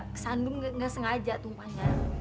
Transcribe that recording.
kesandung gak sengaja tumpahnya